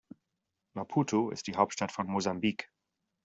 Maputo ist die Hauptstadt von Mosambik.